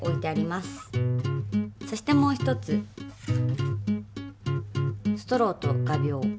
そしてもう一つストローと画びょう。